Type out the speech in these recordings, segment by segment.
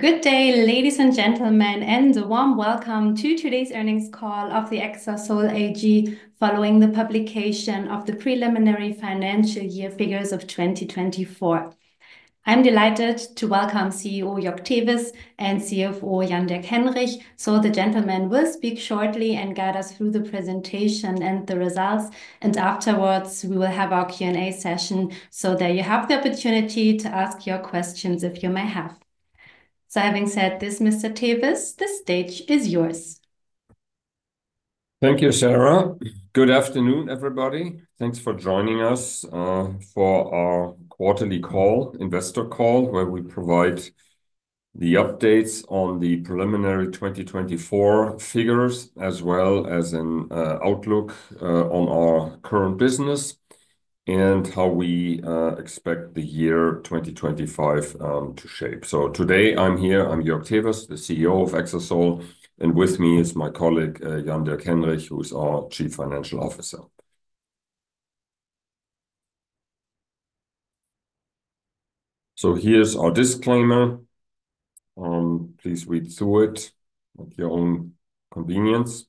Good day, ladies and gentlemen, and a warm welcome to today's earnings call of Exasol AG following the publication of the preliminary financial year figures of 2024. I am delighted to welcome CEO Joerg Tewes and CFO Jan-Dirk Henrich. The gentlemen will speak shortly and guide us through the presentation and the results, and afterwards we will have our Q&A session so that you have the opportunity to ask your questions if you may have. Having said this, Mr. Tewes, the stage is yours. Thank you, Sarah. Good afternoon, everybody. Thanks for joining us for our quarterly call, investor call, where we provide the updates on the preliminary 2024 figures as well as an outlook on our current business and how we expect the year 2025 to shape. Today I'm here, I'm Joerg Tewes, the CEO of Exasol, and with me is my colleague, Jan-Dirk Henrich, who's our Chief Financial Officer. Here's our disclaimer. Please read through it at your own convenience.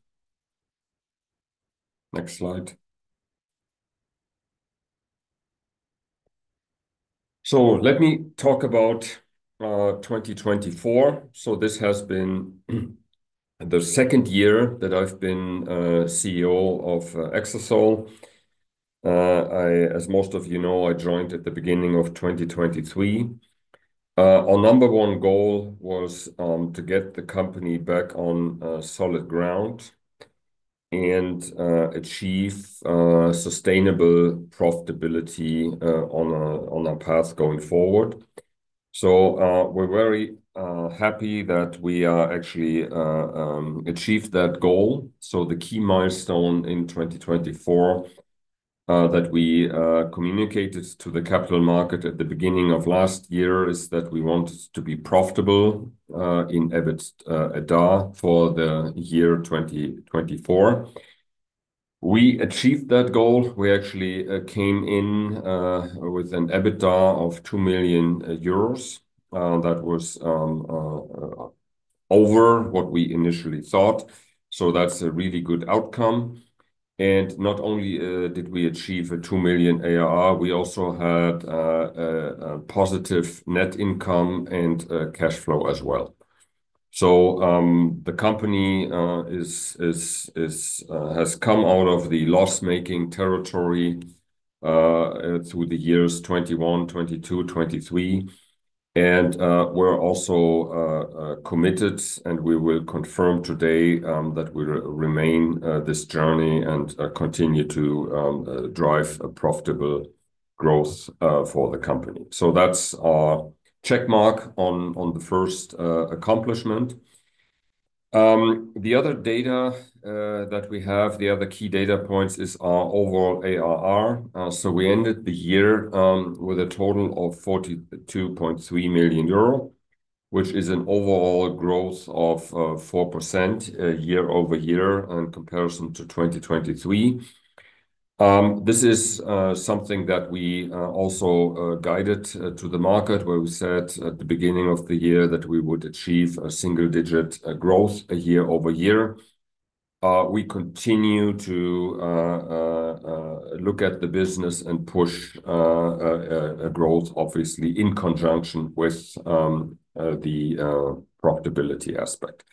Next slide. Let me talk about 2024. This has been the second year that I've been CEO of Exasol. I, as most of you know, I joined at the beginning of 2023. Our number one goal was to get the company back on solid ground and achieve sustainable profitability on our path going forward. We're very happy that we are actually achieved that goal. The key milestone in 2024 that we communicated to the capital market at the beginning of last year is that we wanted to be profitable in EBIT EBITDA for the year 2024. We achieved that goal. We actually came in with an EBITDA of 2 million euros. That was over what we initially thought. That's a really good outcome. Not only did we achieve a 2 million ARR, we also had a positive net income and cash flow as well. The company has come out of the loss-making territory through the years 2021, 2022, 2023. We're also committed, and we will confirm today, that we remain this journey and continue to drive a profitable growth for the company. That's our check mark on the first accomplishment. The other data that we have, the other key data points is our overall ARR. We ended the year with a total of 42.3 million euro, which is an overall growth of 4% year-over-year in comparison to 2023. This is something that we also guided to the market, where we said at the beginning of the year that we would achieve a single-digit growth year-over-year. We continue to look at the business and push a growth obviously in conjunction with the profitability aspect.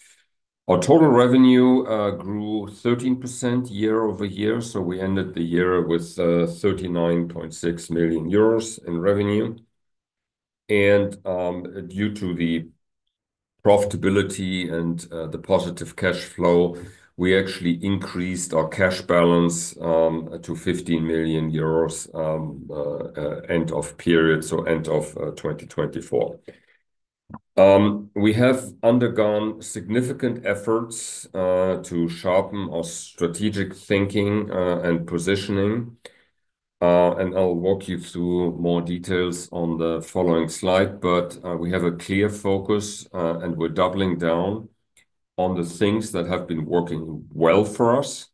Our total revenue grew 13% year-over-year. We ended the year with 39.6 million euros in revenue. Due to the profitability and the positive cash flow, we actually increased our cash balance to 15 million euros end of period, end of 2024. We have undergone significant efforts to sharpen our strategic thinking and positioning. I'll walk you through more details on the following slide. We have a clear focus and we're doubling down on the things that have been working well for us,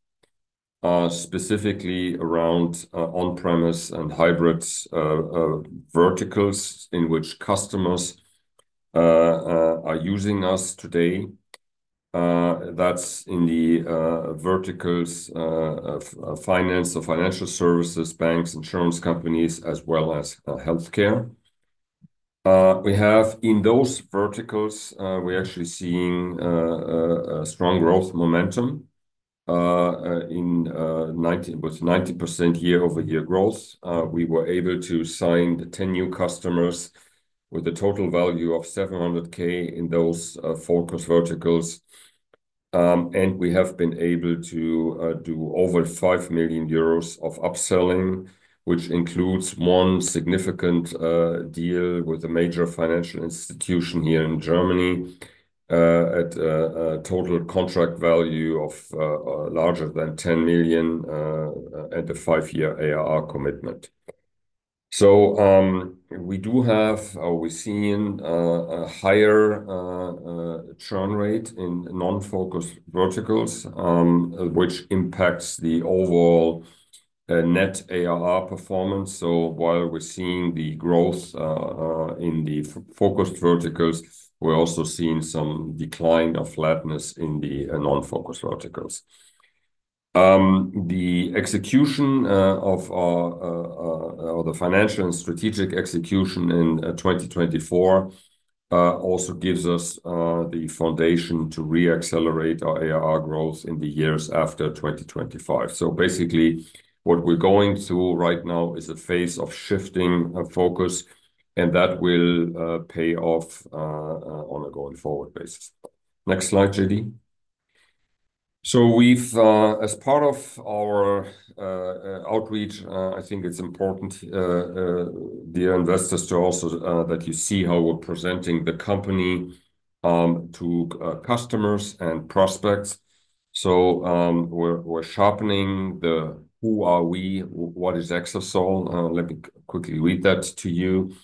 specifically around on-premise and hybrid verticals in which customers are using us today. That's in the verticals of finance or financial services, banks, insurance companies, as well as healthcare. We have in those verticals, we're actually seeing a strong growth momentum in 90%, with 90% year-over-year growth. We were able to sign 10 new customers with a total value of 700,000 in those focused verticals. We have been able to do over 5 million euros of upselling, which includes one significant deal with a major financial institution here in Germany, at a total contract value of larger than 10 million, and a five-year ARR commitment. We do have or we're seeing a higher churn rate in non-focused verticals, which impacts the overall net ARR performance. While we're seeing the growth in the focused verticals, we're also seeing some decline of flatness in the non-focused verticals. The execution of or the financial and strategic execution in 2024 also gives us the foundation to re-accelerate our ARR growth in the years after 2025. Basically, what we're going through right now is a phase of shifting focus, and that will pay off on a going forward basis. Next slide, JD. We've as part of our outreach, I think it's important, dear investors, to also that you see how we're presenting the company to customers and prospects. We're sharpening the who are we, what is Exasol. Let me quickly read that to you.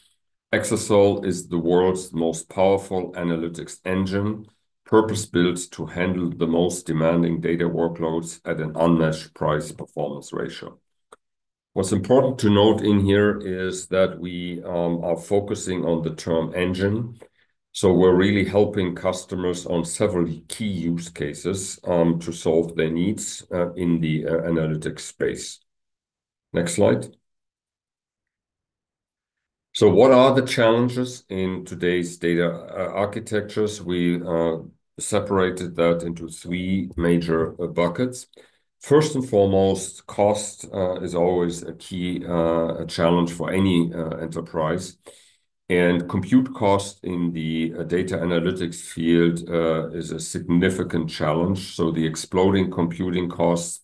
Exasol is the world's most powerful analytics engine, purpose-built to handle the most demanding data workloads at an unmatched price-performance ratio. What's important to note in here is that we are focusing on the term engine. We're really helping customers on several key use cases to solve their needs in the analytics space. Next slide. What are the challenges in today's data architectures? We separated that into three major buckets. First and foremost, cost is always a key challenge for any enterprise. Compute cost in the data analytics field is a significant challenge, so the exploding computing costs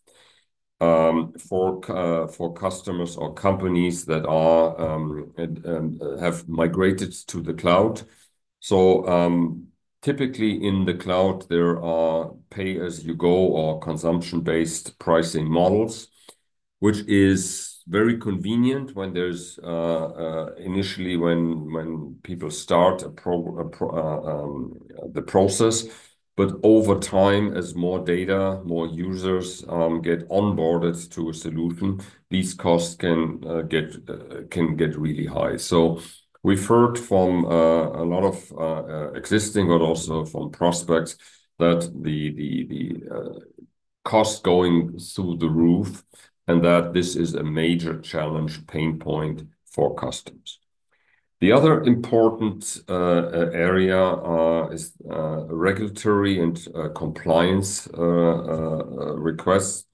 for customers or companies that are and have migrated to the cloud. Typically in the cloud, there are pay-as-you-go or consumption-based pricing models, which is very convenient when there's initially when people start a process. Over time, as more data, more users get onboarded to a solution, these costs can get really high. We've heard from a lot of existing, but also from prospects that the cost going through the roof, and that this is a major challenge pain point for customers. The other important area is regulatory and compliance requests.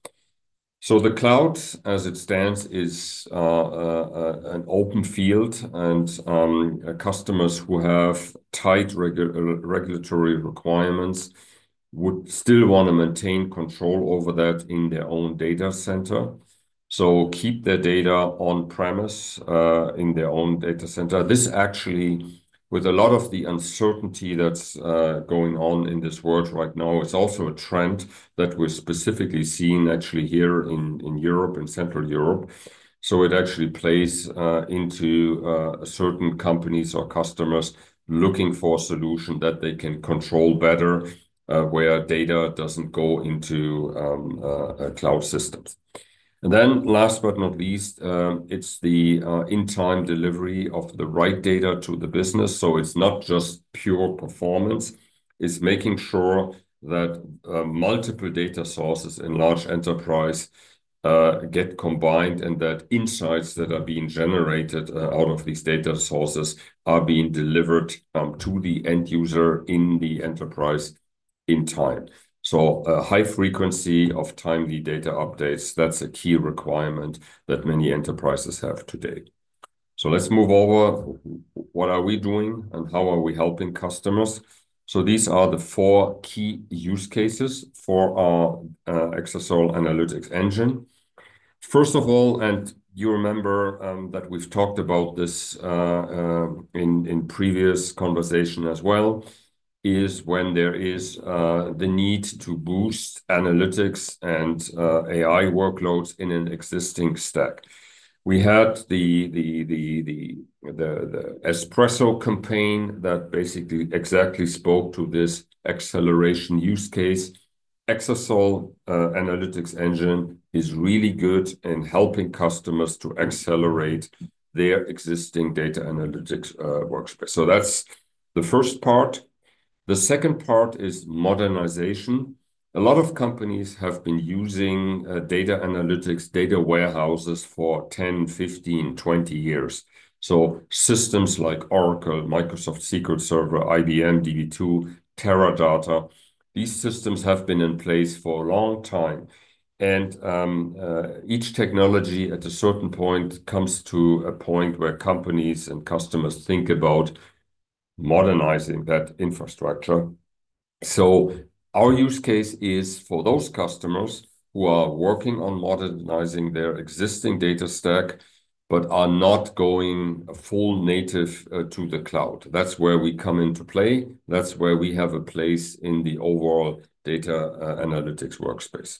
The cloud, as it stands, is an open field, and customers who have tight regulatory requirements would still wanna maintain control over that in their own data center. Keep their data on-premise in their own data center. This actually, with a lot of the uncertainty that's going on in this world right now, it's also a trend that we're specifically seeing actually here in Europe, in Central Europe. It actually plays into certain companies or customers looking for a solution that they can control better, where data doesn't go into cloud systems. Last but not least, it's the in-time delivery of the right data to the business. It's not just pure performance. It's making sure that multiple data sources in large enterprise get combined and that insights that are being generated out of these data sources are being delivered to the end user in the enterprise in time. A high frequency of timely data updates, that's a key requirement that many enterprises have today. Let's move over. What are we doing, and how are we helping customers? These are the four key use cases for our Exasol analytics engine. First of all, you remember that we've talked about this in previous conversation as well, is when there is the need to boost analytics and AI workloads in an existing stack. We had the Espresso campaign that basically exactly spoke to this acceleration use case. Exasol analytics engine is really good in helping customers to accelerate their existing data analytics workspace. That's the first part. The second part is modernization. A lot of companies have been using data analytics, data warehouses for 10, 15, 20 years. Systems like Oracle, Microsoft SQL Server, IBM Db2, Teradata, these systems have been in place for a long time. Each technology at a certain point comes to a point where companies and customers think about modernizing that infrastructure. Our use case is for those customers who are working on modernizing their existing data stack but are not going full native to the cloud. That's where we come into play. That's where we have a place in the overall data analytics workspace.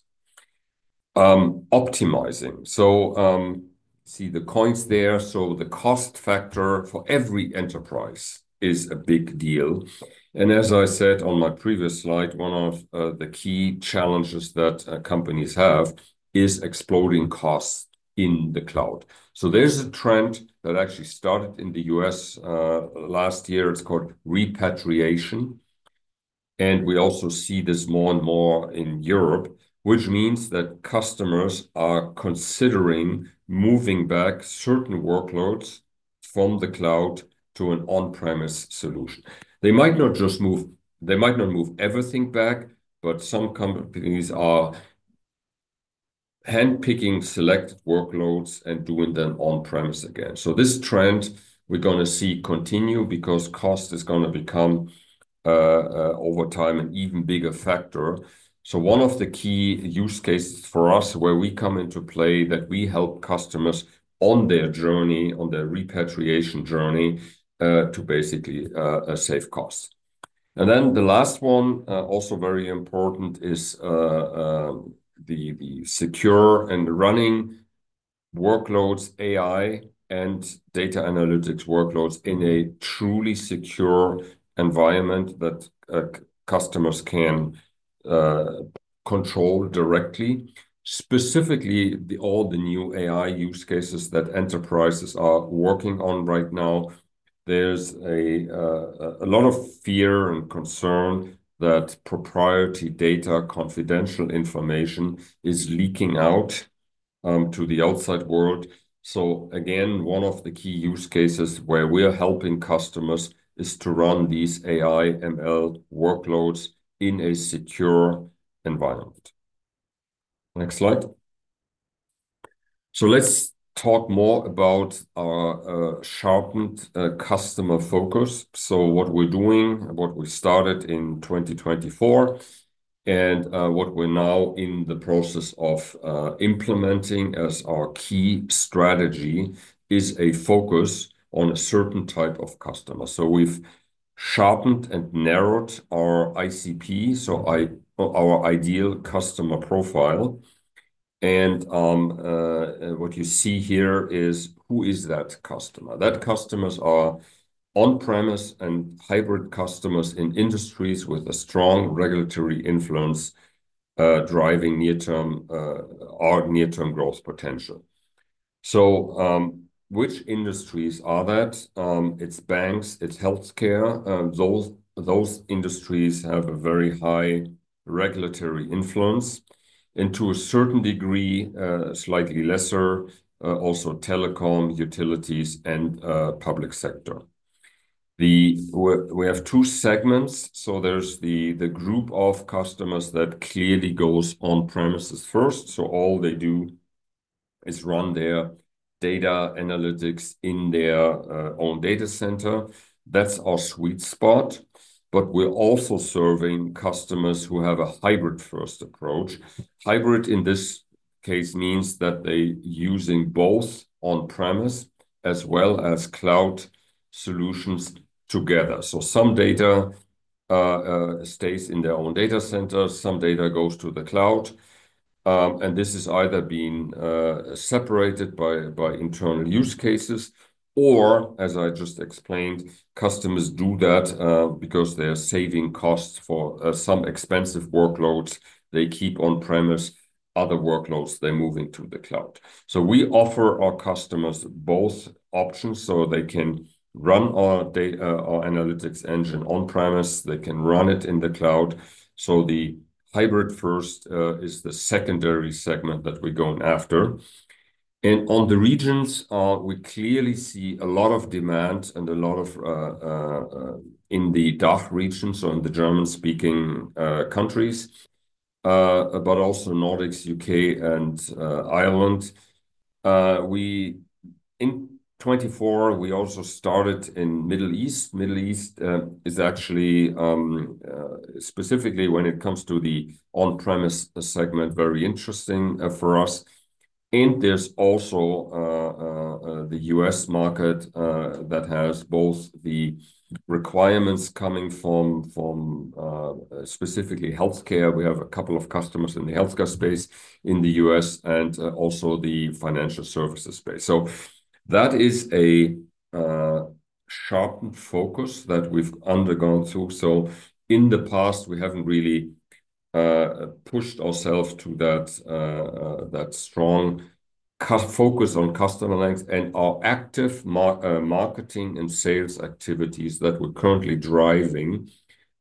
Optimizing. See the coins there. The cost factor for every enterprise is a big deal. As I said on my previous slide, one of the key challenges that companies have is exploding costs in the cloud. There's a trend that actually started in the U.S. last year. It's called repatriation. We also see this more and more in Europe, which means that customers are considering moving back certain workloads from the cloud to an on-premise solution. They might not just move They might not move everything back, some companies are handpicking select workloads and doing them on-premise again. This trend we're gonna see continue because cost is gonna become over time, an even bigger factor. One of the key use cases for us where we come into play that we help customers on their journey, on their repatriation journey, to basically save costs. The last one, also very important is the secure and running workloads AI and data analytics workloads in a truly secure environment that customers can control directly, specifically all the new AI use cases that enterprises are working on right now. There's a lot of fear and concern that proprietary data, confidential information is leaking out to the outside world. Again, one of the key use cases where we are helping customers is to run these AI, ML workloads in a secure environment. Next slide. Let's talk more about our sharpened customer focus. What we're doing and what we started in 2024 and what we're now in the process of implementing as our key strategy is a focus on a certain type of customer. We've sharpened and narrowed our ICP, so our ideal customer profile. What you see here is who is that customer. That customers are on-premise and hybrid customers in industries with a strong regulatory influence, driving near term, our near-term growth potential. Which industries are that? It's banks, it's healthcare. Those industries have a very high regulatory influence, and to a certain degree, slightly lesser, also telecom, utilities, and public sector. We have two segments. There's the group of customers that clearly goes on-premises first. All they do is run their data analytics in their own data center. That's our sweet spot. We're also serving customers who have a hybrid-first approach. Hybrid in this case means that they're using both on-premise as well as cloud solutions together. Some data stays in their own data center, some data goes to the cloud. And this is either being separated by internal use cases or, as I just explained, customers do that because they're saving costs for some expensive workloads, they keep on premise. Other workloads, they're moving to the cloud. We offer our customers both options, they can run our analytics engine on-premise. They can run it in the cloud. The hybrid first is the secondary segment that we're going after. On the regions, we clearly see a lot of demand and a lot in the DACH region, so in the German-speaking countries, but also Nordics, U.K., and Ireland. In 2024, we also started in Middle East. Middle East is actually specifically when it comes to the on-premise segment, very interesting for us. There's also the U.S. market that has both the requirements coming from specifically healthcare. We have a couple of customers in the healthcare space in the U.S. and also the financial services space. That is a sharpened focus that we've undergone through. In the past, we haven't really pushed ourselves to that strong focus on customer lens. Our active marketing and sales activities that we're currently driving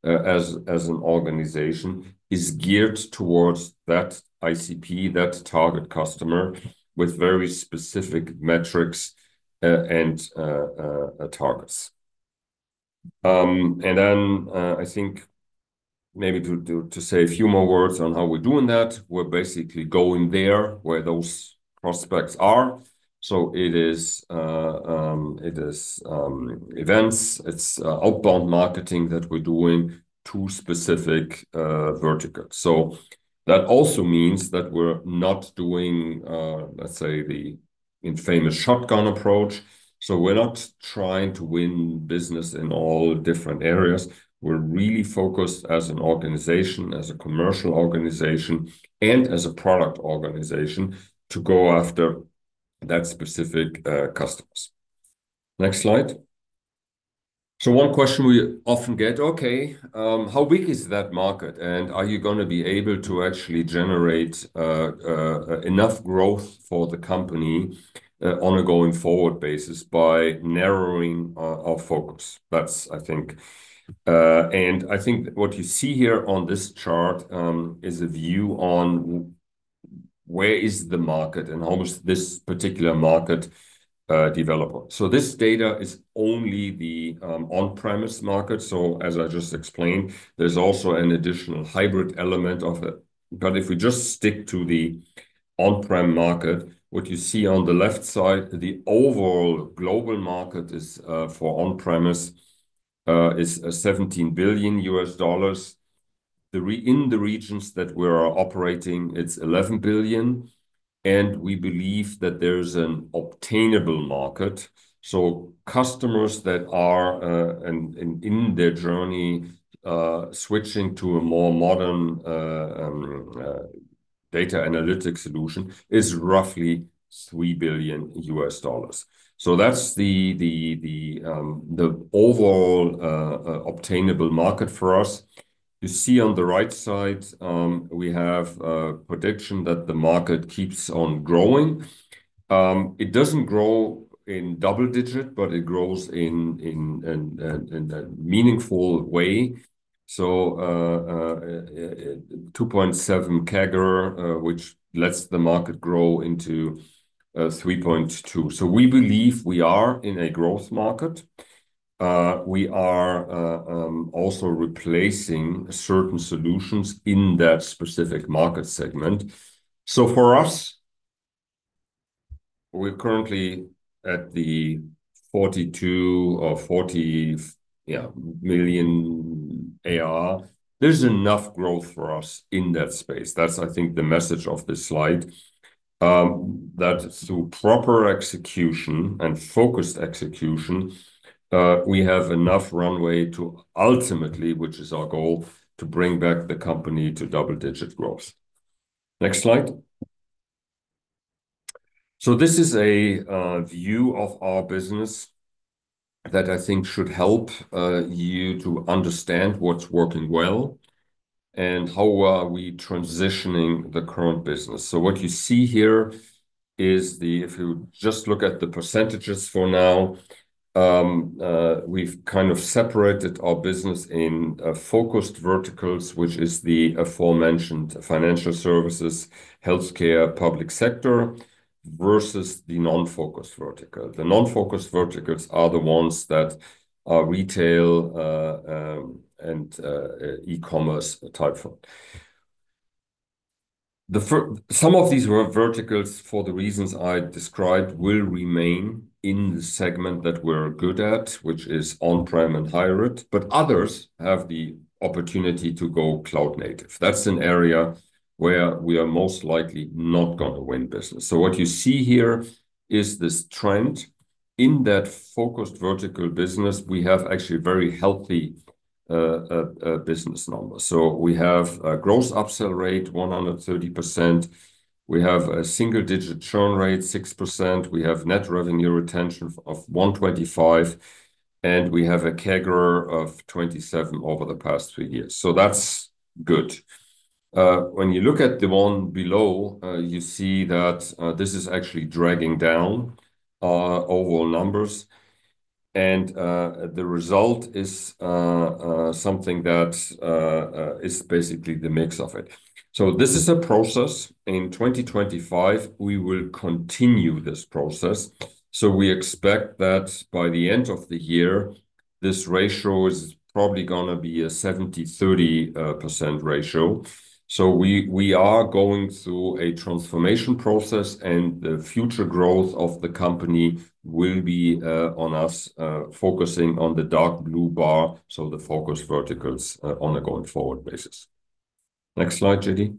as an organization is geared towards that ICP, that target customer with very specific metrics and targets. I think maybe to say a few more words on how we're doing that, we're basically going there where those prospects are. It is events. It's outbound marketing that we're doing to specific verticals. That also means that we're not doing, let's say, the infamous shotgun approach. We're not trying to win business in all different areas. We're really focused as an organization, as a commercial organization, and as a product organization to go after that specific customers. Next slide. One question we often get, "Okay, how big is that market, and are you gonna be able to actually generate enough growth for the company on a going-forward basis by narrowing our focus?" That's, I think, and I think what you see here on this chart is a view on Where is the market and how is this particular market developing. This data is only the on-premise market. As I just explained, there's also an additional hybrid element of it. If we just stick to the on-prem market, what you see on the left side, the overall global market for on-premise is $17 billion. In the regions that we're operating, it's 11 billion, and we believe that there's an obtainable market. Customers that are in their journey switching to a more modern data analytic solution is roughly $3 billion. That's the overall obtainable market for us. You see on the right side, we have a prediction that the market keeps on growing. It doesn't grow in double-digit, but it grows in a meaningful way. 2.7% CAGR which lets the market grow into 3.2%. We believe we are in a growth market. We are also replacing certain solutions in that specific market segment. For us, we're currently at 42 million or 40 million ARR. There's enough growth for us in that space. That's I think the message of this slide, that through proper execution and focused execution, we have enough runway to ultimately, which is our goal, to bring back the company to double-digit growth. Next slide. This is a view of our business that I think should help you to understand what's working well and how are we transitioning the current business. What you see here is. If you just look at the percentages for now, we've kind of separated our business in focused verticals, which is the aforementioned financial services, healthcare, public sector, versus the non-focused vertical. The non-focused verticals are the ones that are retail and e-commerce type. Some of these were verticals for the reasons I described will remain in the segment that we're good at, which is on-prem and hybrid, but others have the opportunity to go cloud native. That's an area where we are most likely not gonna win business. What you see here is this trend. In that focused vertical business, we have actually very healthy business numbers. We have a gross upsell rate, 130%. We have a single-digit churn rate, 6%. We have net revenue retention of 125%, and we have a CAGR of 27% over the past three years. That's good. When you look at the one below, you see that this is actually dragging down our overall numbers, and the result is something that is basically the mix of it. This is a process. In 2025, we will continue this process. We expect that by the end of the year, this ratio is probably gonna be a 70%/30% ratio. We are going through a transformation process, and the future growth of the company will be on us, focusing on the dark blue bar, so the focus verticals, on a going-forward basis. Next slide, JD.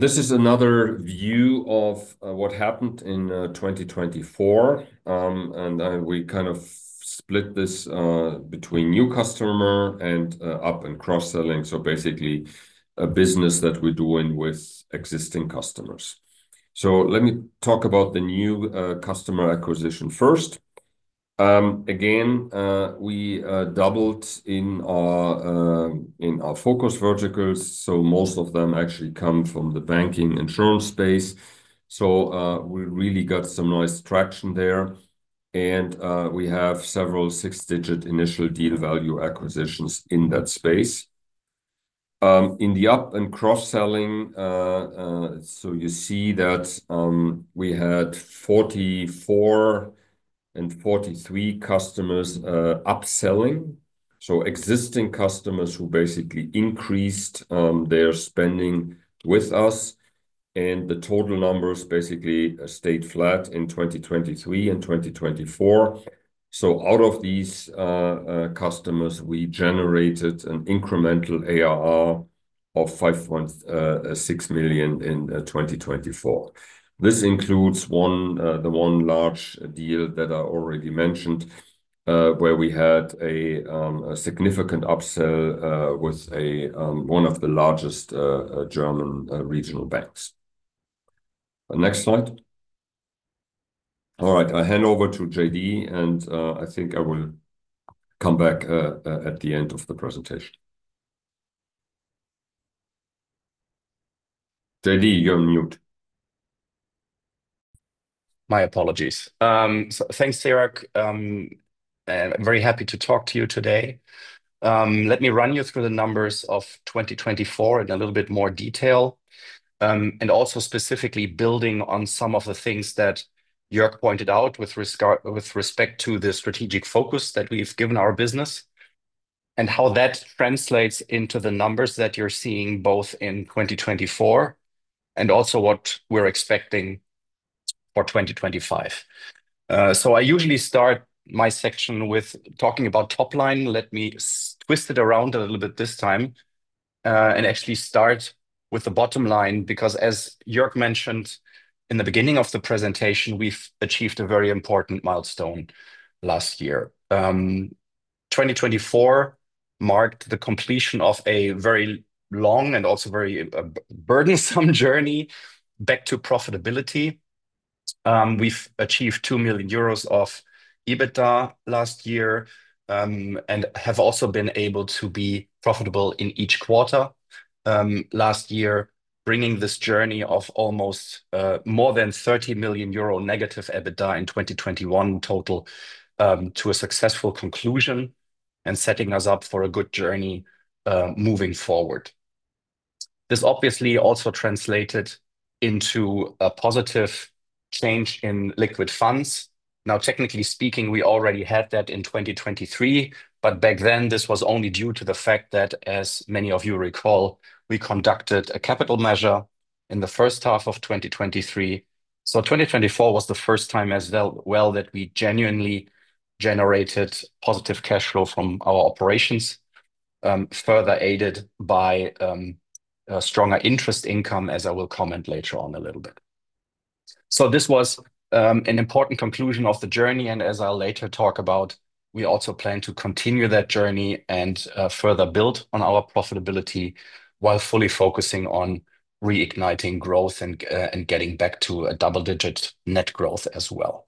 This is another view of what happened in 2024. We kind of split this between new customer and up and cross-selling. Basically, a business that we're doing with existing customers. Let me talk about the new customer acquisition first. Again, we doubled in our in our focus verticals, most of them actually come from the banking insurance space. We really got some nice traction there. We have several six-digit initial deal value acquisitions in that space. In the up and cross-selling, we had 44 and 43 customers upselling, existing customers who basically increased their spending with us. The total numbers basically stayed flat in 2023 and 2024. Out of these customers, we generated an incremental ARR of 5.6 million in 2024. This includes one the one large deal that I already mentioned, where we had a significant upsell with one of the largest German regional banks. Next slide. All right, I hand over to JD, and I think I will come back at the end of the presentation. JD, you're on mute. My apologies. Thanks, Sarah. I'm very happy to talk to you today. Let me run you through the numbers of 2024 in a little bit more detail, also specifically building on some of the things that Joerg pointed out with respect to the strategic focus that we've given our business and how that translates into the numbers that you're seeing both in 2024 and also what we're expecting for 2025. I usually start my section with talking about top line. Let me twist it around a little bit this time, actually start with the bottom line, because as Joerg mentioned in the beginning of the presentation, we've achieved a very important milestone last year. 2024 marked the completion of a very long and also very burdensome journey back to profitability. We've achieved 2 million euros of EBITDA last year, and have also been able to be profitable in each quarter last year, bringing this journey of almost more than 30 million euro negative EBITDA in 2021 total to a successful conclusion and setting us up for a good journey moving forward. This obviously also translated into a positive change in liquid funds. Now, technically speaking, we already had that in 2023, but back then, this was only due to the fact that, as many of you recall, we conducted a capital measure in the first half of 2023. 2024 was the first time as well that we genuinely generated positive cash flow from our operations, further aided by a stronger interest income, as I will comment later on a little bit. This was an important conclusion of the journey, and as I'll later talk about, we also plan to continue that journey and further build on our profitability while fully focusing on reigniting growth and getting back to a double-digit net growth as well.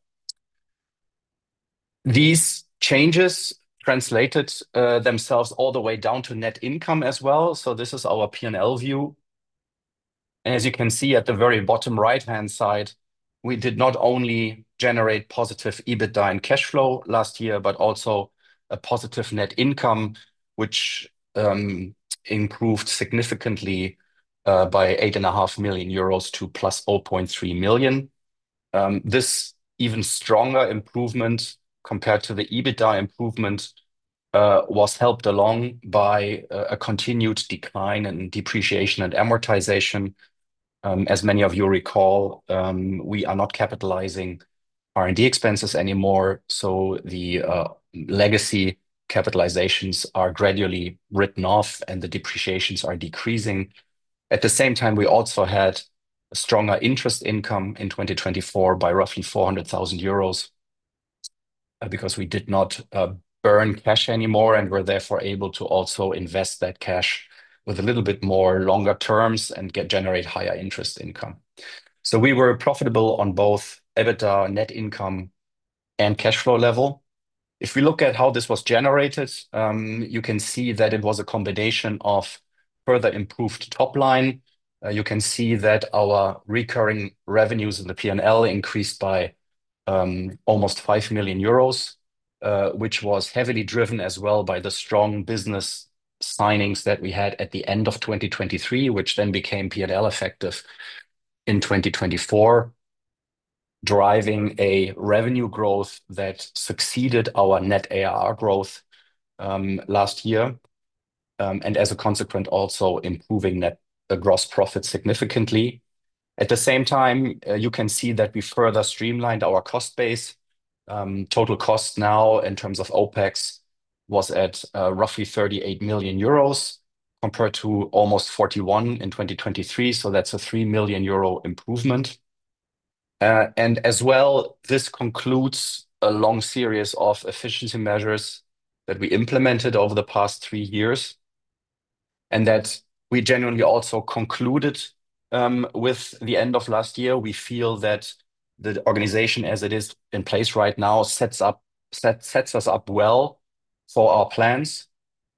These changes translated themselves all the way down to net income as well. This is our P&L view. As you can see at the very bottom right-hand side, we did not only generate positive EBITDA and cash flow last year, but also a positive net income, which improved significantly by 8.5 million euros to +0.3 million. This even stronger improvement compared to the EBITDA improvement was helped along by a continued decline in depreciation and amortization. As many of you recall, we are not capitalizing R&D expenses anymore, so the legacy capitalizations are gradually written off and the depreciations are decreasing. At the same time, we also had a stronger interest income in 2024 by roughly 400,000 euros because we did not burn cash anymore and were therefore able to also invest that cash with a little bit more longer terms and generate higher interest income. We were profitable on both EBITDA, net income and cash flow level. If we look at how this was generated, you can see that it was a combination of further improved top line. You can see that our recurring revenues in the P&L increased by almost 5 million euros, which was heavily driven as well by the strong business signings that we had at the end of 2023, which then became P&L effective in 2024, driving a revenue growth that succeeded our net ARR growth last year, and as a consequent, also improving net gross profit significantly. At the same time, you can see that we further streamlined our cost base. Total cost now in terms of OpEx was at roughly 38 million euros compared to almost 41 million in 2023, so that's a 3 million euro improvement. As well, this concludes a long series of efficiency measures that we implemented over the past three years, and that we genuinely also concluded with the end of last year. We feel that the organization as it is in place right now sets us up well for our plans.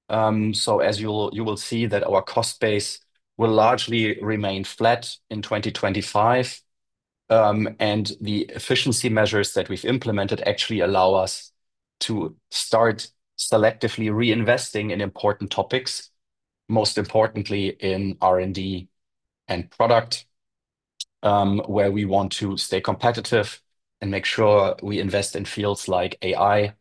As you'll, you will see that our cost base will largely remain flat in 2025, and the efficiency measures that we've implemented actually allow us to start selectively reinvesting in important topics, most importantly in R&D and product, where we want to stay competitive and make sure we invest in fields like AI,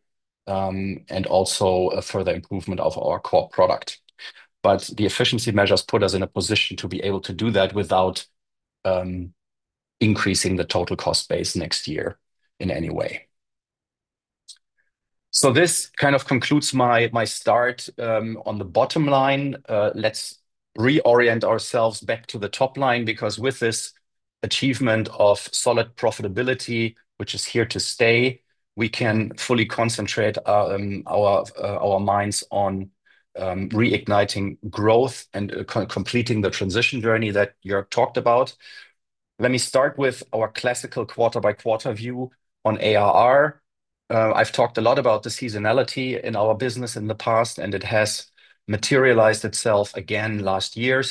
and also a further improvement of our core product. The efficiency measures put us in a position to be able to do that without increasing the total cost base next year in any way. This kind of concludes my start on the bottom line. Let's reorient ourselves back to the top line because with this achievement of solid profitability which is here to stay, we can fully concentrate our minds on reigniting growth and co-completing the transition journey that Joerg talked about. Let me start with our classical quarter-by-quarter view on ARR. I've talked a lot about the seasonality in our business in the past, and it has materialized itself again last year.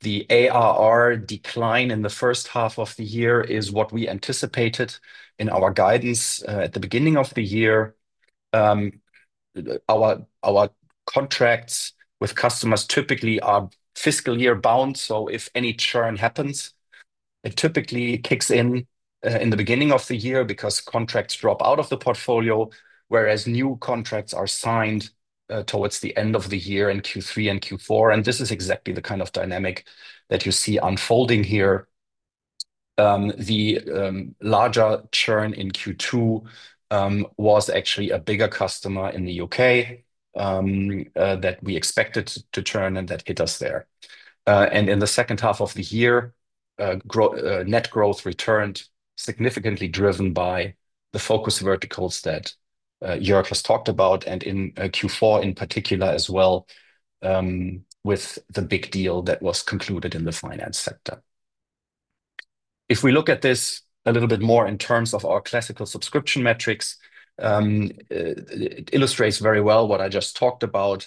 The ARR decline in the first half of the year is what we anticipated in our guidance at the beginning of the year. Our contracts with customers typically are fiscal year bound, so if any churn happens, it typically kicks in in the beginning of the year because contracts drop out of the portfolio, whereas new contracts are signed towards the end of the year in Q3 and Q4, and this is exactly the kind of dynamic that you see unfolding here. The larger churn in Q2 was actually a bigger customer in the U.K. that we expected to churn and that hit us there. In the second half of the year, net growth returned significantly driven by the focus verticals that Joerg has talked about and in Q4 in particular as well, with the big deal that was concluded in the finance sector. If we look at this a little bit more in terms of our classical subscription metrics, it illustrates very well what I just talked about.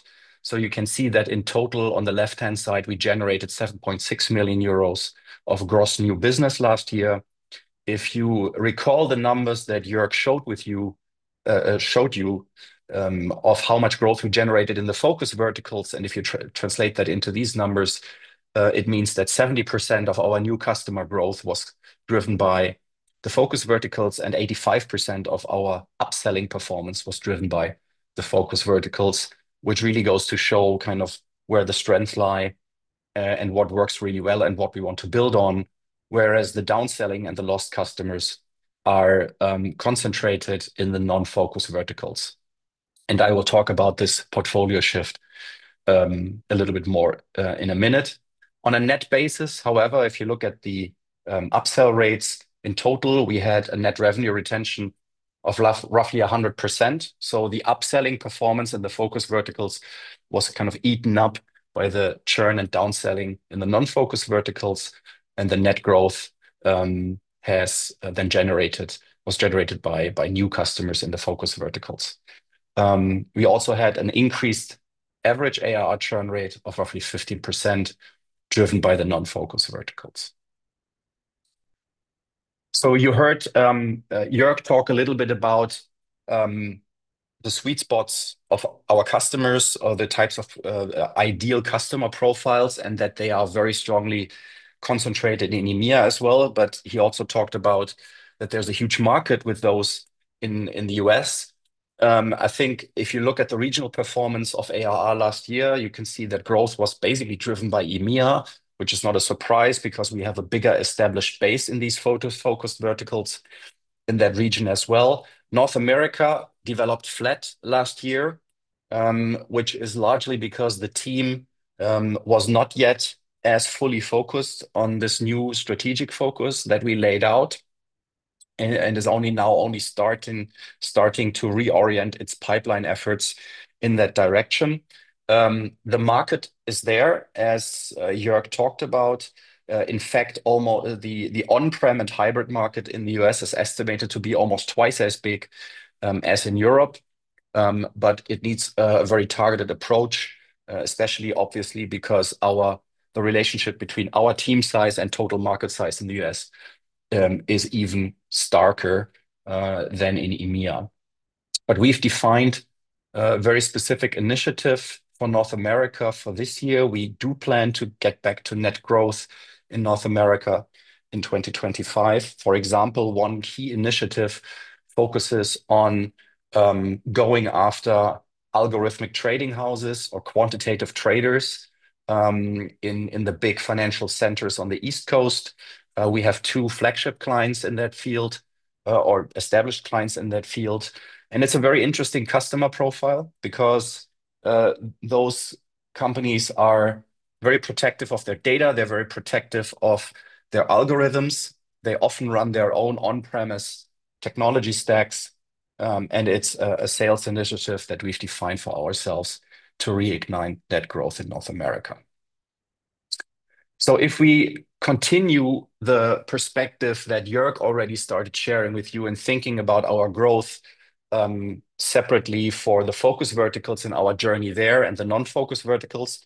You can see that in total, on the left-hand side, we generated 7.6 million euros of gross new business last year. If you recall the numbers that Joerg showed with you, showed you, of how much growth we generated in the focus verticals, and if you translate that into these numbers, it means that 70% of our new customer growth was driven by the focus verticals, and 85% of our upselling performance was driven by the focus verticals, which really goes to show kind of where the strengths lie, and what works really well and what we want to build on. Whereas the downselling and the lost customers are concentrated in the non-focus verticals. I will talk about this portfolio shift a little bit more in a minute. On a net basis, however, if you look at the upsell rates, in total we had a net revenue retention of roughly 100%, so the upselling performance in the focus verticals was kind of eaten up by the churn and downselling in the non-focus verticals and the net growth was generated by new customers in the focus verticals. We also had an increased average ARR churn rate of roughly 15% driven by the non-focus verticals. You heard Joerg talk a little bit about the sweet spots of our customers or the types of ideal customer profiles, and that they are very strongly concentrated in EMEA as well. He also talked about that there's a huge market with those in the U.S. I think if you look at the regional performance of ARR last year, you can see that growth was basically driven by EMEA, which is not a surprise because we have a bigger established base in these photo-focused verticals in that region as well. North America developed flat last year, which is largely because the team was not yet as fully focused on this new strategic focus that we laid out and is only now starting to reorient its pipeline efforts in that direction. The market is there, as Joerg talked about. In fact, the on-prem and hybrid market in the U.S. is estimated to be almost twice as big as in Europe. But it needs a very targeted approach, especially obviously because our, the relationship between our team size and total market size in the U.S., is even starker than in EMEA. We've defined a very specific initiative for North America for this year. We do plan to get back to net growth in North America in 2025. For example, one key initiative focuses on going after algorithmic trading houses or quantitative traders in the big financial centers on the East Coast. We have two flagship clients in that field, or established clients in that field, and it's a very interesting customer profile because those companies are very protective of their data. They're very protective of their algorithms. They often run their own on-premise technology stacks, and it's a sales initiative that we've defined for ourselves to reignite that growth in North America. If we continue the perspective that Joerg already started sharing with you and thinking about our growth, separately for the focus verticals in our journey there and the non-focus verticals,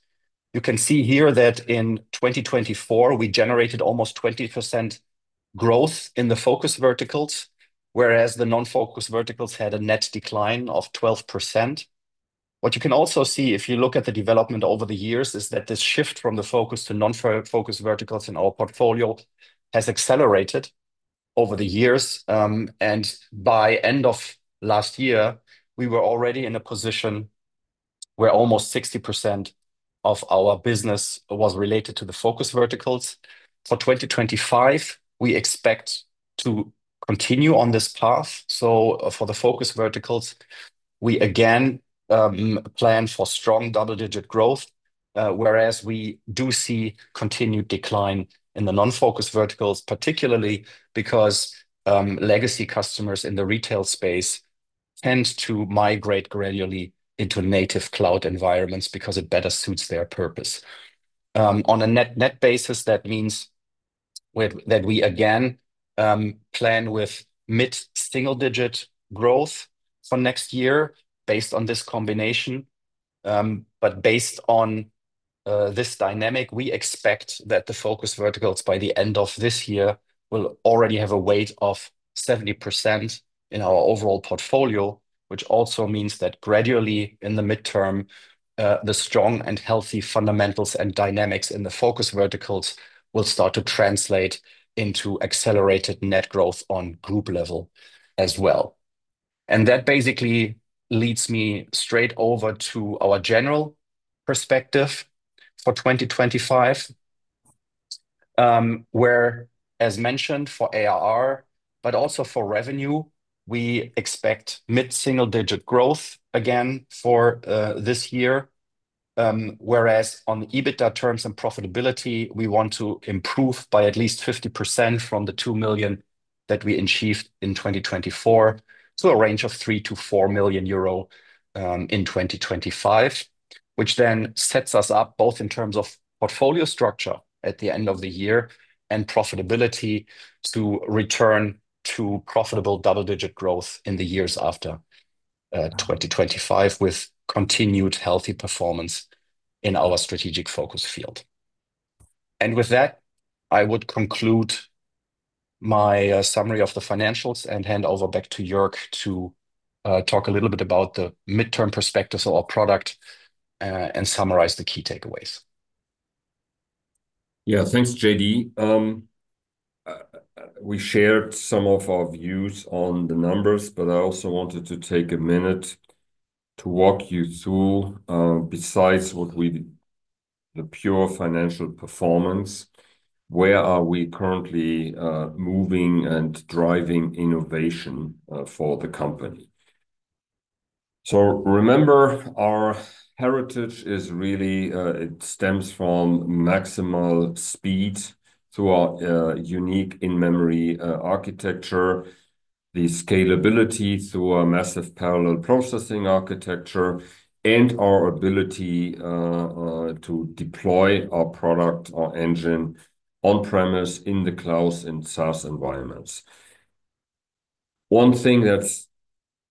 you can see here that in 2024 we generated almost 20% growth in the focus verticals, whereas the non-focus verticals had a net decline of 12%. What you can also see if you look at the development over the years is that this shift from the focus to non-focus verticals in our portfolio has accelerated over the years. By end of last year, we were already in a position where almost 60% of our business was related to the focus verticals. For 2025, we expect to continue on this path. For the focus verticals, we again, plan for strong double-digit growth, whereas we do see continued decline in the non-focus verticals, particularly because, legacy customers in the retail space tend to migrate gradually into native cloud environments because it better suits their purpose. On a net basis, With that we again, plan with mid-single digit growth for next year based on this combination. But based on this dynamic, we expect that the focus verticals by the end of this year will already have a weight of 70% in our overall portfolio, which also means that gradually in the midterm, the strong and healthy fundamentals and dynamics in the focus verticals will start to translate into accelerated net growth on group level as well. That basically leads me straight over to our general perspective for 2025, where, as mentioned for ARR, but also for revenue, we expect mid-single digit growth again for this year. Whereas on EBITDA terms and profitability, we want to improve by at least 50% from the 2 million that we achieved in 2024, so a range of 3 million-4 million euro in 2025. Sets us up both in terms of portfolio structure at the end of the year and profitability to return to profitable double-digit growth in the years after 2025, with continued healthy performance in our strategic focus field. With that, I would conclude my summary of the financials and hand over back to Joerg to talk a little bit about the midterm perspectives of our product and summarize the key takeaways. Thanks, JD. I also wanted to take a minute to walk you through, besides what we, the pure financial performance, where are we currently moving and driving innovation for the company. Remember, our heritage is really, it stems from maximal speed through our unique in-memory architecture, the scalability through our massive parallel processing architecture, and our ability to deploy our product, our engine on-premise in the clouds and SaaS environments. One thing that's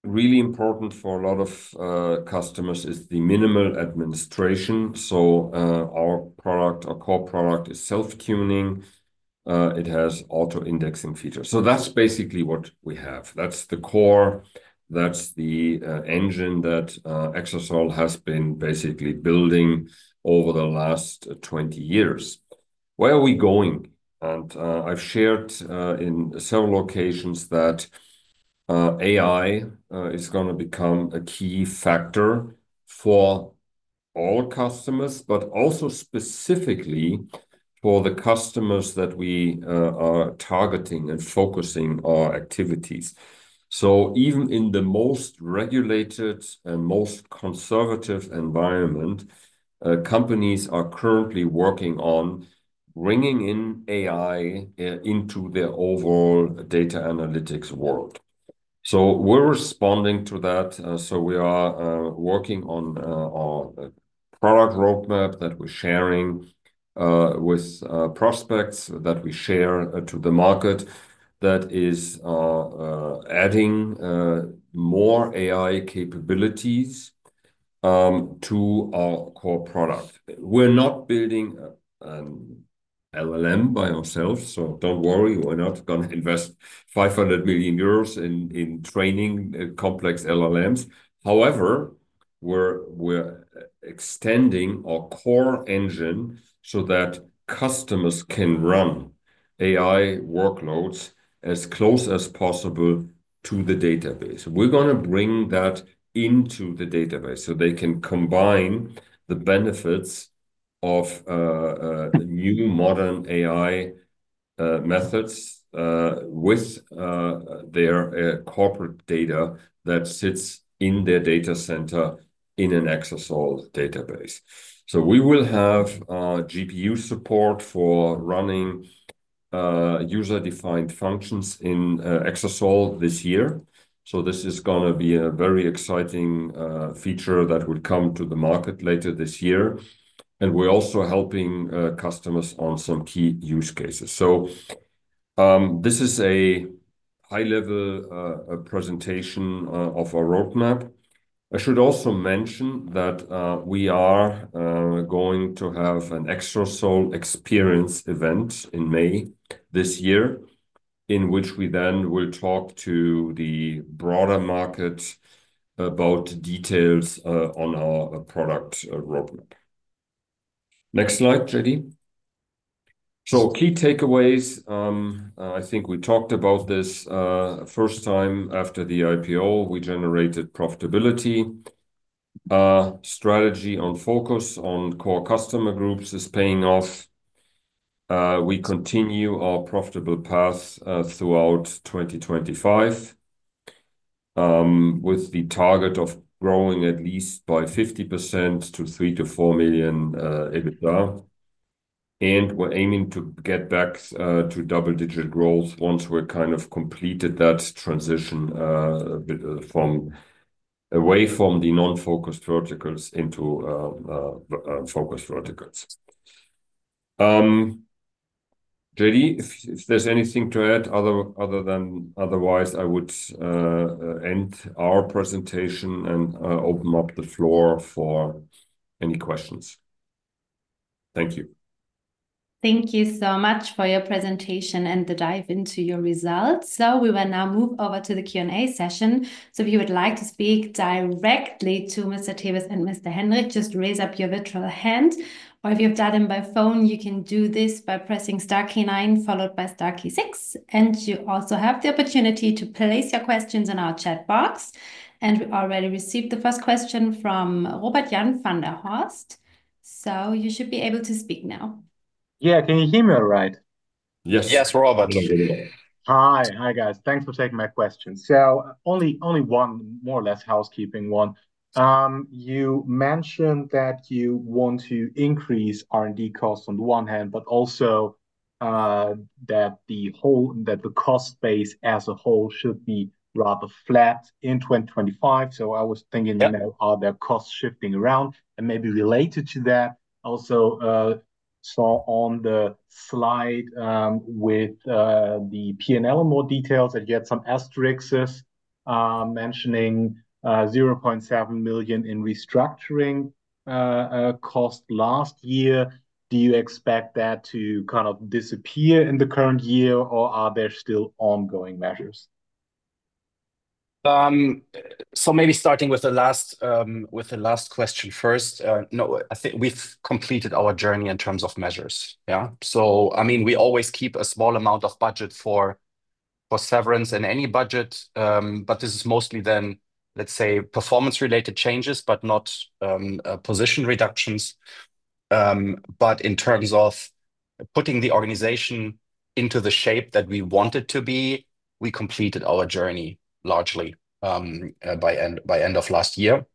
really important for a lot of customers is the minimal administration. Our product, our core product is self-tuning. It has auto-indexing features. That's basically what we have. That's the core, that's the engine that Exasol has been basically building over the last 20 years. Where are we going? I've shared in several occasions that AI is gonna become a key factor for all customers, but also specifically for the customers that we are targeting and focusing our activities. Even in the most regulated and most conservative environment, companies are currently working on bringing in AI into their overall data analytics world. We're responding to that. We are working on our product roadmap that we're sharing with prospects that we share to the market that is adding more AI capabilities to our core product. We're not building LLM by ourselves, don't worry, we're not gonna invest 500 million euros in training complex LLMs. However, we're extending our core engine so that customers can run AI workloads as close as possible to the database. We're gonna bring that into the database so they can combine the benefits of the new modern AI methods with their corporate data that sits in their data center in an Exasol database. We will have GPU support for running user-defined functions in Exasol this year. This is gonna be a very exciting feature that will come to the market later this year. We're also helping customers on some key use cases. This is a high-level presentation of our roadmap. I should also mention that we are going to have an Exasol Xperience event in May this year, in which we then will talk to the broader market about details on our product roadmap. Next slide, JD. Key takeaways, I think we talked about this, first time after the IPO, we generated profitability. Strategy on focus on core customer groups is paying off. We continue our profitable path throughout 2025, with the target of growing at least by 50% to 3 million-4 million EBITDA. We're aiming to get back to double-digit growth once we're kind of completed that transition away from the non-focused verticals into focused verticals. JD, if there's anything to add other than. Otherwise, I would end our presentation and open up the floor for any questions. Thank you. Thank you so much for your presentation and the dive into your results. We will now move over to the Q&A session. If you would like to speak directly to Mr. Tewes and Mr. Henrich, just raise up your virtual hand, or if you've dialed in by phone you can do this by pressing star key nine followed by star key six, and you also have the opportunity to place your questions in our chat box. We already received the first question from Robert-Jan van der Horst. You should be able to speak now. Yeah. Can you hear me all right? Yes. Yes, Robert. Hi, guys. Thanks for taking my question. Only one more or less housekeeping one. You mentioned that you want to increase R&D costs on the one hand, but also that the cost base as a whole should be rather flat in 2025. Yeah I was thinking, you know, are there costs shifting around? Maybe related to that also, saw on the slide, with the P&L more details, that you had some asterisks, mentioning 0.7 million in restructuring cost last year. Do you expect that to kind of disappear in the current year, or are there still ongoing measures? Maybe starting with the last, with the last question first. No, I think we've completed our journey in terms of measures. Yeah. I mean, we always keep a small amount of budget for severance in any budget. But this is mostly then, let's say, performance related changes, but not position reductions. But in terms of putting the organization into the shape that we want it to be, we completed our journey largely, by end of last year.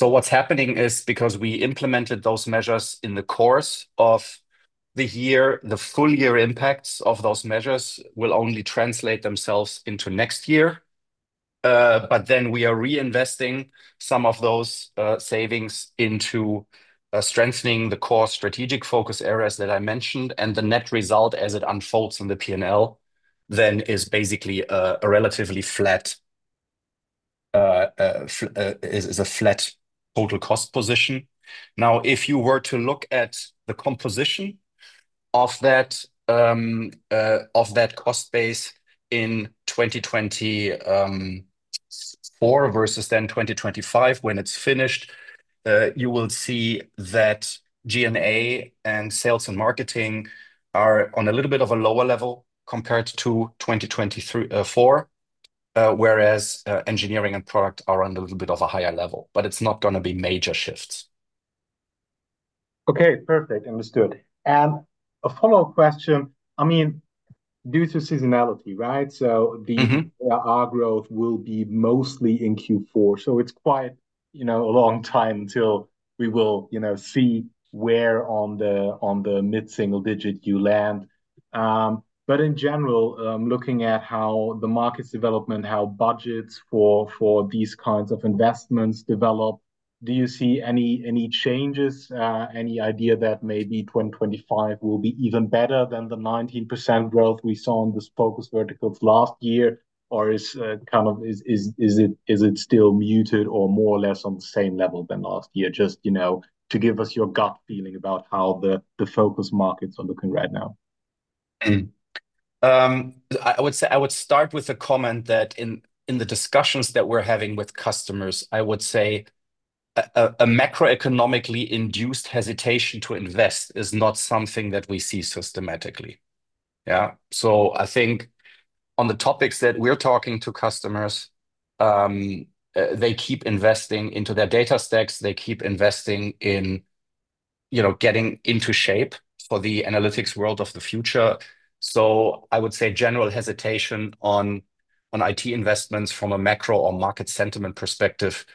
What's happening is, because we implemented those measures in the course of the year, the full year impacts of those measures will only translate themselves into next year. We are reinvesting some of those savings into strengthening the core strategic focus areas that I mentioned, and the net result as it unfolds in the P&L then is basically a relatively flat total cost position. If you were to look at the composition of that cost base in 2024 versus then 2025, when it's finished, you will see that G&A and sales and marketing are on a little bit of a lower level compared to 2024, whereas engineering and product are on a little bit of a higher level, but it's not gonna be major shifts. Okay. Perfect. Understood. A follow-up question: I mean, due to seasonality, right? Mmm-Hmm. Our growth will be mostly in Q4. It's quite, you know, a long time till we will, you know, see where on the mid-single digit you land. In general, looking at how the market development, how budgets for these kinds of investments develop, do you see any changes, any idea that maybe 2025 will be even better than the 19% growth we saw on this focused verticals last year? Is it still muted or more or less on the same level than last year? Just, you know, to give us your gut feeling about how the focus markets are looking right now. I would say, I would start with the comment that in the discussions that we're having with customers, I would say a macroeconomically induced hesitation to invest is not something that we see systematically. Yeah. I think on the topics that we're talking to customers, they keep investing into their data stacks, they keep investing in, you know, getting into shape for the analytics world of the future. I would say general hesitation on IT investments from a macro or market sentiment perspective,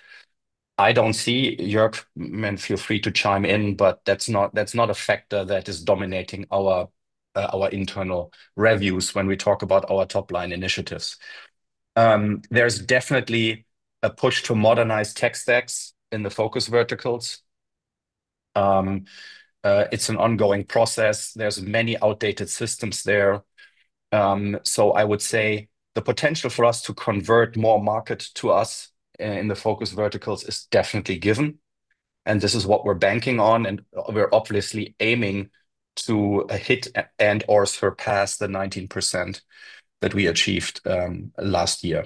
I don't see. Joerg, man, feel free to chime in, but that's not a factor that is dominating our internal reviews when we talk about our top line initiatives. There's definitely a push to modernize tech stacks in the focus verticals. It's an ongoing process. There's many outdated systems there. I would say the potential for us to convert more market to us in the focus verticals is definitely given, and this is what we're banking on, and we're obviously aiming to hit and/or surpass the 19% that we achieved last year.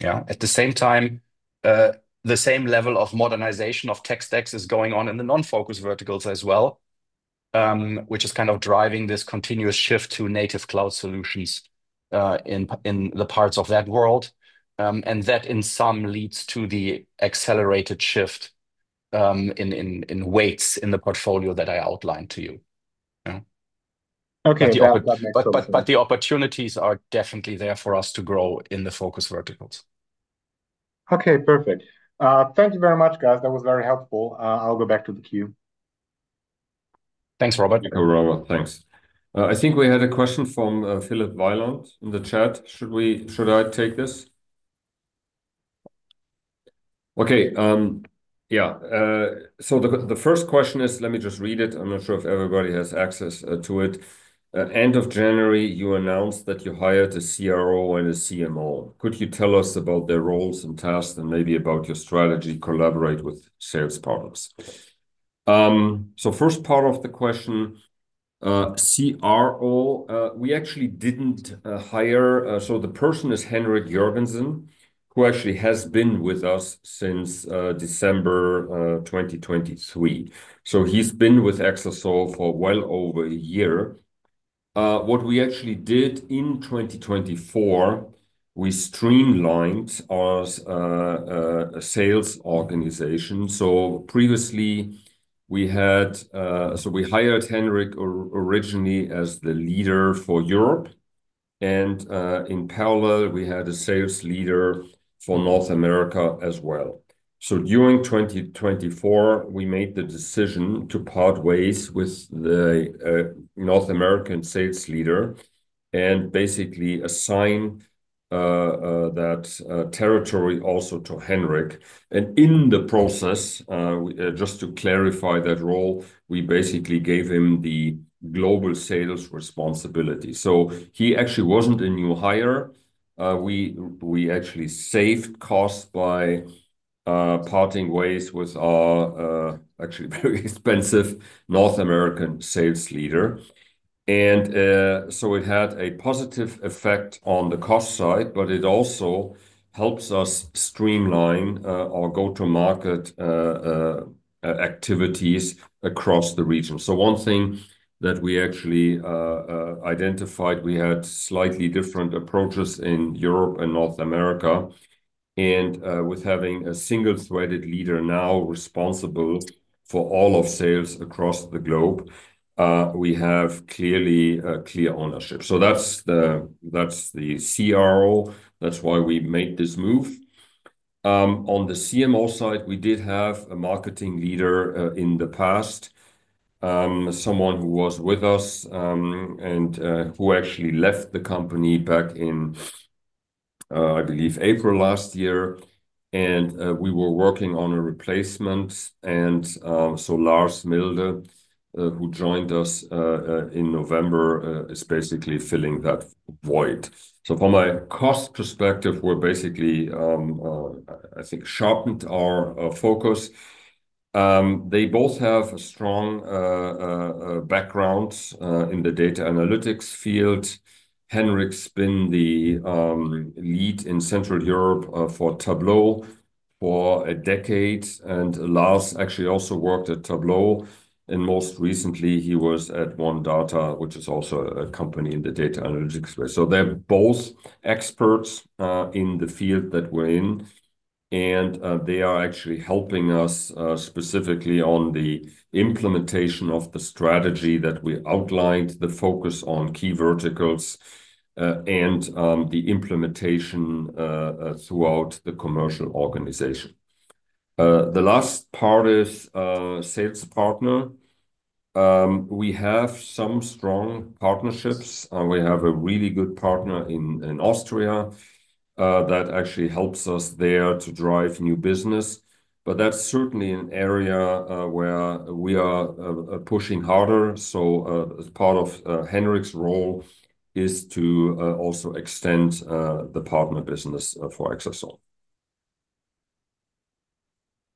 At the same time, the same level of modernization of tech stacks is going on in the non-focus verticals as well, which is kind of driving this continuous shift to native cloud solutions in the parts of that world. That in sum leads to the accelerated shift in weights in the portfolio that I outlined to you. Okay. That makes total sense. The opportunities are definitely there for us to grow in the focus verticals. Okay. Perfect. Thank you very much, guys. That was very helpful. I'll go back to the queue. Thanks, Robert. Thank you, Robert. Thanks. I think we had a question from Philipp [Viulong] in the chat. Should I take this? Okay. Yeah. The first question is. Let me just read it. I'm not sure if everybody has access to it. At end of January, you announced that you hired a CRO and a CMO. Could you tell us about their roles and tasks, and maybe about your strategy collaborate with sales partners? First part of the question, CRO, we actually didn't hire. The person is Henrik Jorgensen, who actually has been with us since December 2023. He's been with Exasol for well over a year. What we actually did in 2024, we streamlined our sales organization. Previously, we had. We hired Henrik originally as the leader for Europe. In parallel, we had a sales leader for North America as well. During 2024, we made the decision to part ways with the North American sales leader, and basically assign that territory also to Henrik. In the process, just to clarify that role, we basically gave him the global sales responsibility. He actually wasn't a new hire. We actually saved costs by parting ways with our actually very expensive North American sales leader. It had a positive effect on the cost side, but it also helps us streamline our go-to-market activities across the region. One thing that we actually identified, we had slightly different approaches in Europe and North America. With having a single-threaded leader now responsible for all of sales across the globe, we have clearly a clear ownership. That's the CRO. That's why we made this move. On the CMO side, we did have a marketing leader in the past, someone who was with us, and who actually left the company back in I believe April last year. We were working on a replacement and Lars Milde, who joined us in November, is basically filling that void. From a cost perspective, we're basically, I think sharpened our focus. They both have strong backgrounds in the data analytics field. Henrik's been the lead in Central Europe for Tableau for a decade. Lars actually also worked at Tableau. Most recently, he was at One Data, which is also a company in the data analytics space. They're both experts in the field that we're in. They are actually helping us specifically on the implementation of the strategy that we outlined, the focus on key verticals, and the implementation throughout the commercial organization. The last part is sales partner. We have some strong partnerships. We have a really good partner in Austria that actually helps us there to drive new business. That's certainly an area where we are pushing harder. As part of Henrik's role is to also extend the partner business for Exasol.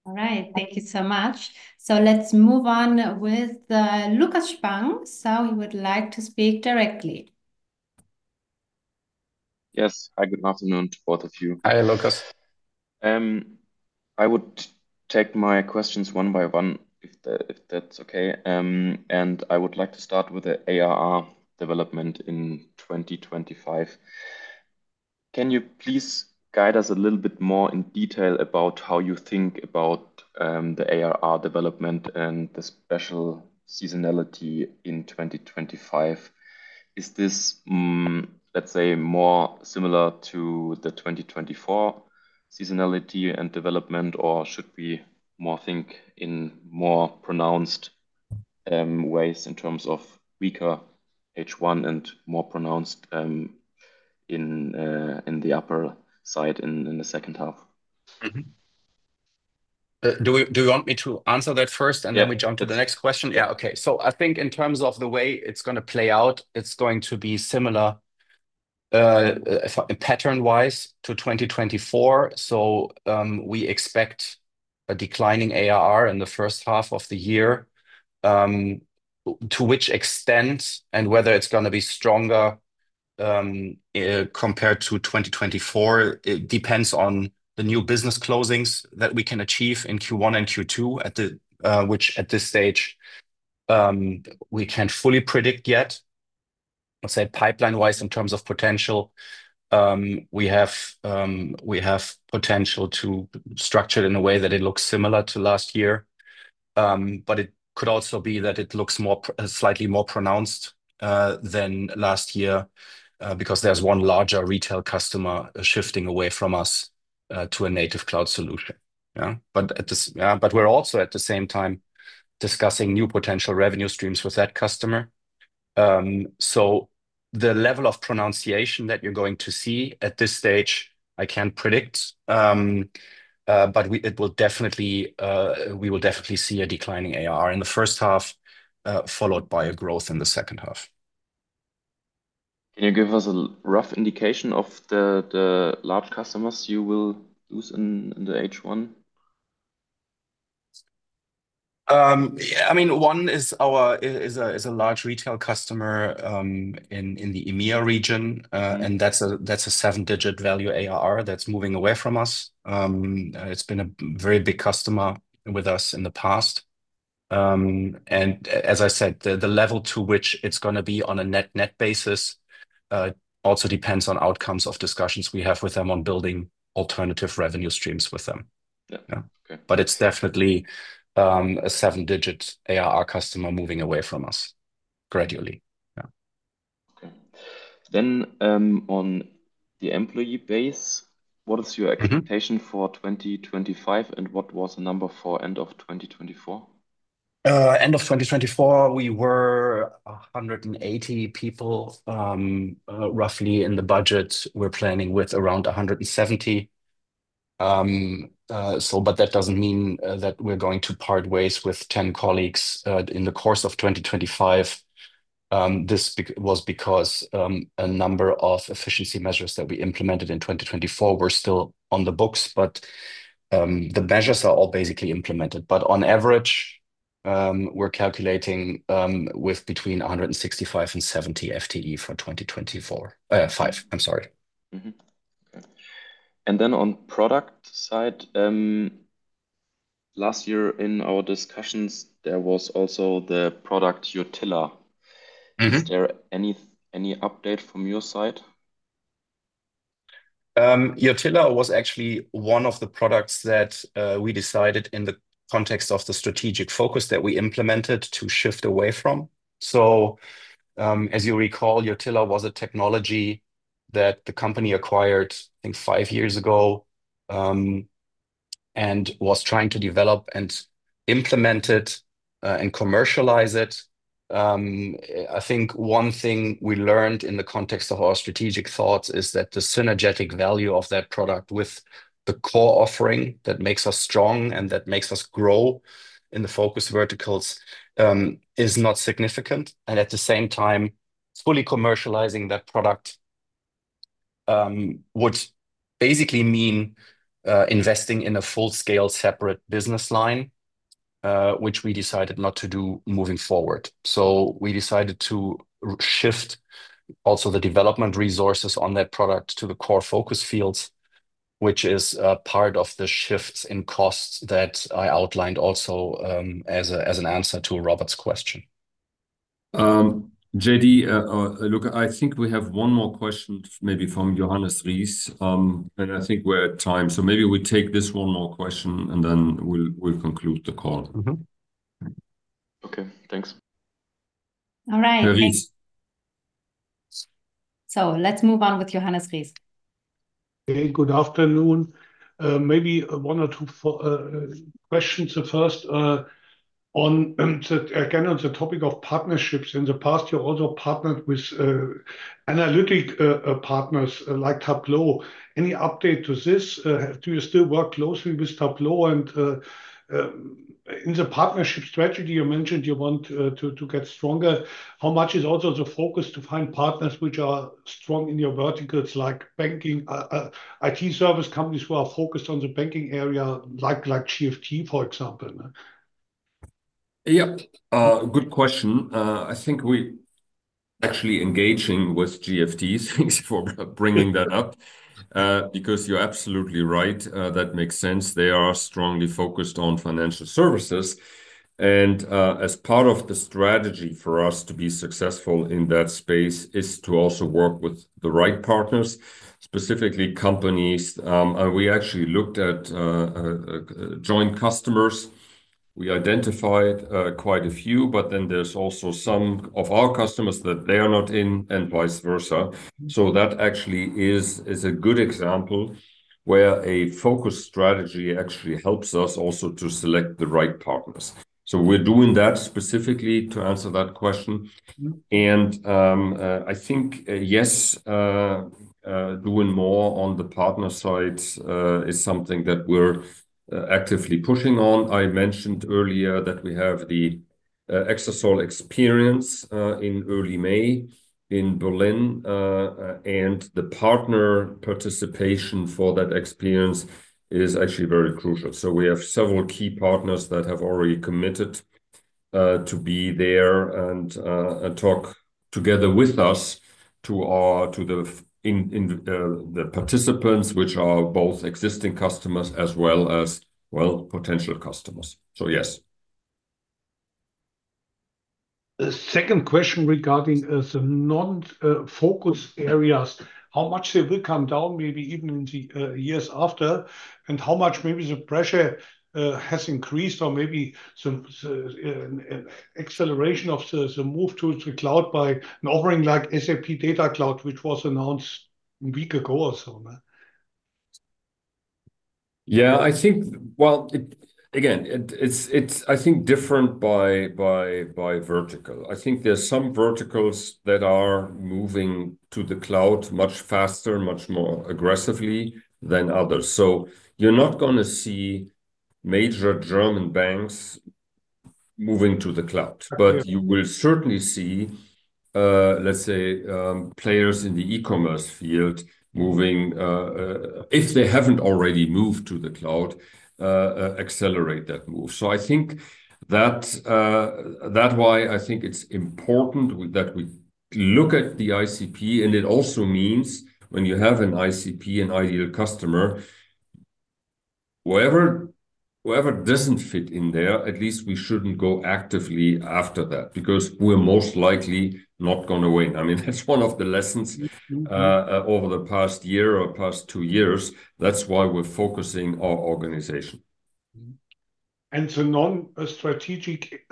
All right. Thank you so much. Let's move on with Lukas Spang. He would like to speak directly. Yes. Hi, good afternoon to both of you. Hi, Lukas. I would take my questions one by one if that's okay. I would like to start with the ARR development in 2025. Can you please guide us a little bit more in detail about how you think about the ARR development and the special seasonality in 2025? Is this, let's say, more similar to the 2024 seasonality and development, or should we more think in more pronounced ways in terms of weaker H1 and more pronounced in the upper side in the second half? Do you want me to answer that first? Yeah We jump to the next question? Yeah. Okay. I think in terms of the way it's gonna play out, it's going to be similar pattern-wise to 2024. We expect a declining ARR in the first half of the year. To which extent and whether it's gonna be stronger compared to 2024, it depends on the new business closings that we can achieve in Q1 and Q2 at which at this stage, we can't fully predict yet. Let's say pipeline-wise, in terms of potential, we have potential to structure it in a way that it looks similar to last year. It could also be that it looks slightly more pronounced than last year, because there's one larger retail customer shifting away from us to a native cloud solution. Yeah, but we're also at the same time discussing new potential revenue streams with that customer. The level of pronunciation that you're going to see at this stage I can't predict. It will definitely, we will definitely see a declining ARR in the first half, followed by a growth in the second half. Can you give us a rough indication of the large customers you will lose in the H1? I mean, one is our, is a large retail customer, in the EMEA region. Mm-hmm. That's a seven-digit value ARR that's moving away from us. It's been a very big customer with us in the past. As I said, the level to which it's gonna be on a net-net basis, also depends on outcomes of discussions we have with them on building alternative revenue streams with them. Yeah. Yeah. Okay. It's definitely, a seven-digit ARR customer moving away from us gradually. Yeah. Okay. on the employee base, what is? Mm-hmm expectation for 2025, and what was the number for end of 2024? End of 2024 we were 180 people. Roughly in the budget we're planning with around 170. But that doesn't mean that we're going to part ways with 10 colleagues in the course of 2025. This was because a number of efficiency measures that we implemented in 2024 were still on the books. The measures are all basically implemented. On average, we're calculating with between 165 and 170 FTE for 2024, 2025, I'm sorry. Okay. Then on product side, last year in our discussions there was also the product Yotilla. Mm-hmm. Is there any update from your side? Yotilla was actually one of the products that we decided in the context of the strategic focus that we implemented to shift away from. As you recall, Yotilla was a technology that the company acquired, I think, five years ago, and was trying to develop and implement it and commercialize it. I think one thing we learned in the context of our strategic thoughts is that the synergetic value of that product with the core offering that makes us strong and that makes us grow in the focus verticals is not significant. At the same time, fully commercializing that product would basically mean investing in a full-scale separate business line, which we decided not to do moving forward. We decided to shift also the development resources on that product to the core focus fields, which is part of the shifts in costs that I outlined also, as an answer to Robert's question. JD, look, I think we have one more question maybe from Johannes [Rees]. I think we're at time, so maybe we take this one more question, and then we'll conclude the call. Mm-hmm. Okay, thanks. All right, thanks. Johannes. Let's move on with Johannes [Rees]. Hey, good afternoon. Maybe one or two questions. The first on the, again, on the topic of partnerships. In the past you also partnered with analytic partners like Tableau. Any update to this? Do you still work closely with Tableau? In the partnership strategy you mentioned you want to get stronger. How much is also the focus to find partners which are strong in your verticals like banking, IT service companies who are focused on the banking area like GFT, for example, huh. Yeah. Good question. I think we actually engaging with GFT. Thanks for bringing that up. Because you're absolutely right. That makes sense. They are strongly focused on financial services. As part of the strategy for us to be successful in that space is to also work with the right partners, specifically companies. We actually looked at joint customers. We identified quite a few, but then there's also some of our customers that they are not in, and vice versa. That actually is a good example where a focus strategy actually helps us also to select the right partners. We're doing that specifically to answer that question. Mm-hmm. I think, yes, doing more on the partner side is something that we're actively pushing on. I mentioned earlier that we have the Exasol Xperience in early May in Berlin. The partner participation for that experience is actually very crucial. We have several key partners that have already committed to be there and talk together with us to our, to the in the participants which are both existing customers as well as, well, potential customers. Yes. The second question regarding the non-focus areas, how much they will come down maybe even in the years after, and how much maybe the pressure has increased or maybe some acceleration of the move to the cloud by an offering like SAP Data Cloud, which was announced a week ago or so, man. Yeah. I think, well, it, again, it's, it's I think different by vertical. I think there's some verticals that are moving to the cloud much faster, much more aggressively than others. You're not gonna see major German banks moving to the cloud. Yeah. You will certainly see let's say players in the e-commerce field moving. If they haven't already moved to the cloud, accelerate that move. I think that why I think it's important that we look at the ICP, and it also means when you have an ICP, an ideal customer, whoever doesn't fit in there, at least we shouldn't go actively after that because we're most likely not gonna win. I mean, that's one of the lessons. Mm-hmm Over the past year or past two years. That's why we're focusing our organization. To non-strategic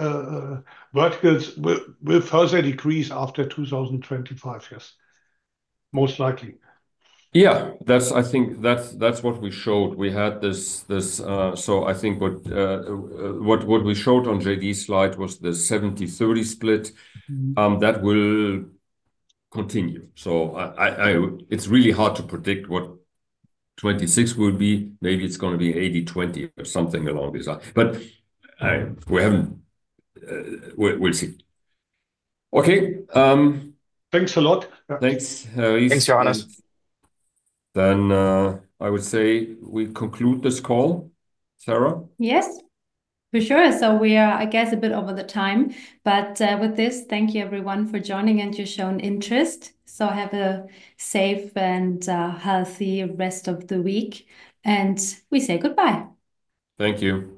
verticals will further decrease after 2025, yes? Most likely. Yeah. That's I think that's what we showed. We had this. I think what we showed on JD's slide was the 70/30 split. Mm-hmm. That will continue. It's really hard to predict what 2026 will be. Maybe it's gonna be 80/20 or something along these lines. We haven't. We'll see. Okay. Thanks a lot. Yeah. Thanks, Johannes. Thanks, Johannes. I would say we conclude this call. Sarah? Yes, for sure. We are, I guess, a bit over the time, but with this, thank you everyone for joining and your shown interest. Have a safe and healthy rest of the week, and we say goodbye. Thank you.